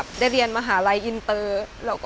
อายุ๒๔ปีวันนี้บุ๋มนะคะ